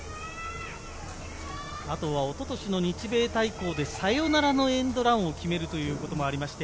あとは一昨年の日米対抗でサヨナラのエンドランを決めるということもありました。